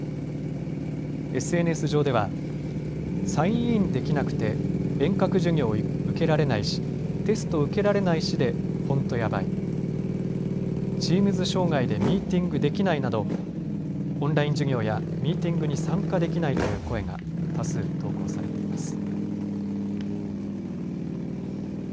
ＳＮＳ上ではサインインできなくて遠隔授業を受けられないしテスト受けられないしでほんとやばい、Ｔｅａｍｓ障害でミーティングできないなどオンライン授業やミーティングに参加できないという声が多数投稿されています。